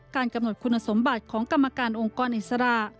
กำหนดคุณสมบัติของกรรมการองค์กรอิสระ